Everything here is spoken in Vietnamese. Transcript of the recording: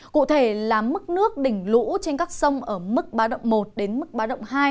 cụ thể là mức nước đỉnh lũ trên các sông ở mức báo động một đến mức báo động hai